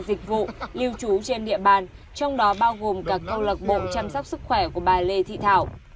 dịch vụ lưu trú trên địa bàn trong đó bao gồm cả câu lạc bộ chăm sóc sức khỏe của bà lê thị thảo